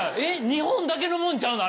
日本だけのもんちゃうの？